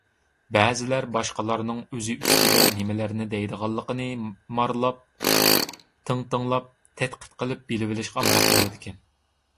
بەزىلەر باشقىلارنىڭ ئۆزى ئۈستىدە نېمىلەرنى دەيدىغانلىقىنى مارىلاپ، تىڭتىڭلاپ، تەتقىق قىلىپ بىلىۋېلىشقا ئامراق بولىدىكەن.